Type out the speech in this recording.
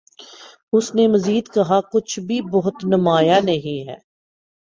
اس نے مزید کہا کچھ بھِی بہت نُمایاں نہیں ہے